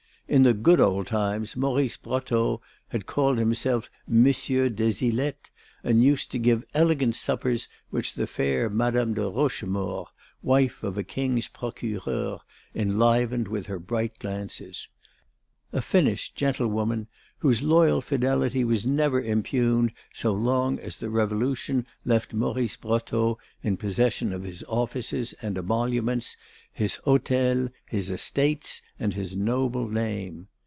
In the good old times Maurice Brotteaux had called himself Monsieur des Ilettes and used to give elegant suppers which the fair Madame de Rochemaure, wife of a King's procureur, enlivened with her bright glances, a finished gentlewoman whose loyal fidelity was never impugned so long as the Revolution left Maurice Brotteaux in possession of his offices and emoluments, his hôtel, his estates and his noble name.